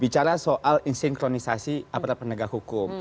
bicara soal insinkronisasi aparat penegak hukum